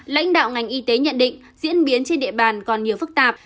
lãnh đạo ngành y tế nhận định diễn biến trên địa bàn còn nhiều phức tạp